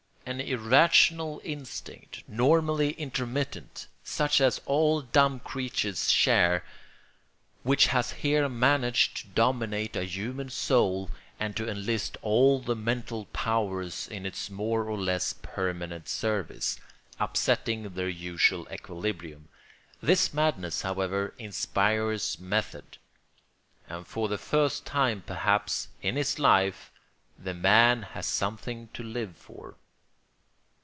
An irrational instinct, normally intermittent, such as all dumb creatures share, which has here managed to dominate a human soul and to enlist all the mental powers in its more or less permanent service, upsetting their usual equilibrium. This madness, however, inspires method; and for the first time, perhaps, in his life, the man has something to live for.